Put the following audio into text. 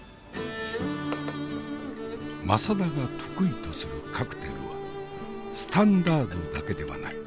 政田が得意とするカクテルはスタンダードだけではない。